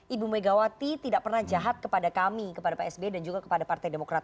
ibu megawati tidak pernah jahat kepada kami kepada pak sby dan juga kepada partai demokrat